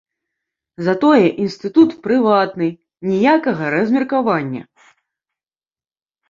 Затое інстытут прыватны, ніякага размеркавання!